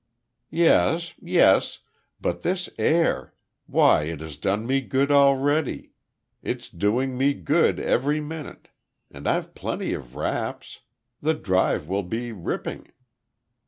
"Yes yes. But this air why, it has done me good already; it's doing me good every minute. And I've plenty of wraps. The drive will be ripping."